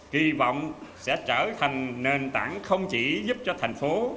kỳ vọng sẽ trở thành nền tảng không chỉ giúp cho thành phố